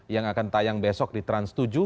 yang akan tayang besok di trans tujuh